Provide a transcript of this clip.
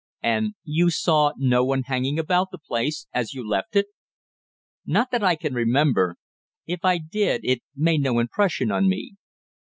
"And you saw no one hanging about the place as you left it?" "Not that I can remember; if I did it made no impression on me."